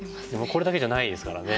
これだけじゃないですからね。